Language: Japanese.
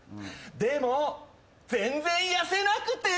でも全然痩せなくて。